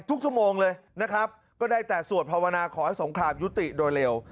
ทุกชั่วโมงเลยนะครับก็ได้แต่สวดภาวนาขอให้สงครามยุติโดยเร็ว